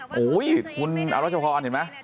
โอ้โหคุณอรัชพรเห็นไหม